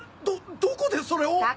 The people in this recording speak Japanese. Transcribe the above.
どどこでそれを！？